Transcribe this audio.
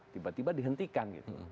tiba tiba dihentikan gitu